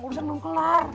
urusan belum kelar